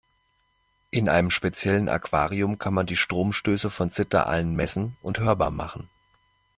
In einem speziellen Aquarium kann man die Stromstöße von Zitteraalen messen und hörbar machen.